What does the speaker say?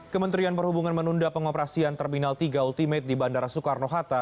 kementerian perhubungan menunda pengoperasian terminal tiga ultimate di bandara soekarno hatta